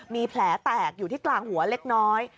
มีแผลแตกอยู่ที่กลางหัวเล็กน้อย